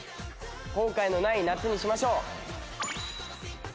後悔のない夏にしましょう。